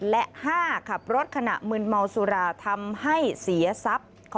และ๕ขับรถขณะมืนเมาสุราทำให้เสียทรัพย์